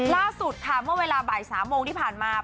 ล่าสุดค่ะเมื่อเวลาบ่าย๓โมงที่ผ่านมา